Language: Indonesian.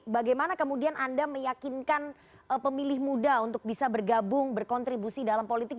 bagaimana kemudian anda meyakinkan pemilih muda untuk bisa bergabung berkontribusi dalam politik